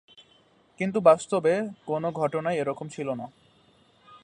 কিন্তু বাস্তবে কোনো ঘটনাই এক রকম ছিল না।